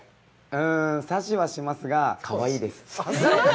うーん、刺しはしますがかわいいです。